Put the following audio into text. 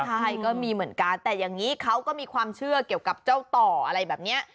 ใช่ก็มีเหมือนกันแต่อย่างนี้เขาก็มีความเชื่อเกี่ยวกับเจ้าต่ออะไรแบบนี้